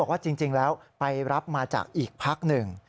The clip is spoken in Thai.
ว่าจริงแล้วไปรับมาจากอีกพักหนึ่ง